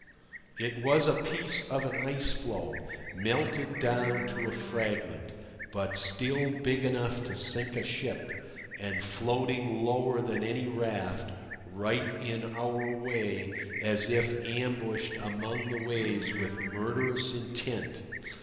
It was a piece of an ice floe melted down to a fragment, but still big enough to sink a ship, and floating lower than any raft, right in our way, as if ambushed among the waves with murderous intent.